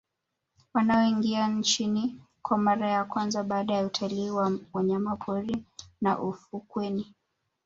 Wanaoingia nchini kwa mara ya kwanza baada ya utalii wa wanyamapori na ufukweni